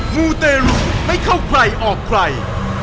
มูเตรุไม่เข้าใครออกใคร